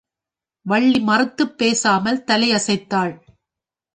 வள்ளி மறுத்துப் பேசாமல் தலையசைத்தாள்.